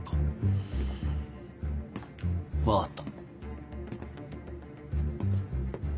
分かった。